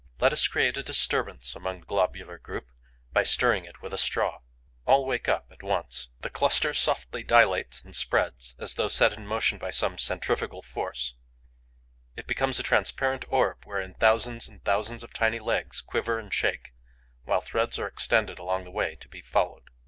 Let us create a disturbance among the globular group by stirring it with a straw. All wake up at once. The cluster softly dilates and spreads, as though set in motion by some centrifugal force; it becomes a transparent orb wherein thousands and thousands of tiny legs quiver and shake, while threads are extended along the way to be followed.